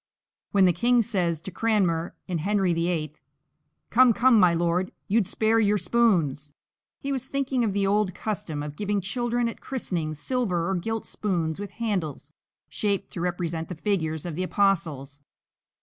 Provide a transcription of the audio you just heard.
When the king says to Cranmer in "Henry VIII:" "Come, come, my lord, you'd spare your spoons," he was thinking of the old custom of giving children at christenings silver or gilt spoons with handles shaped to represent the figures of the Apostles.